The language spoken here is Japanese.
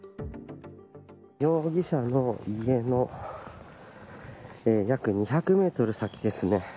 容疑者の家の約２００メートル先ですね。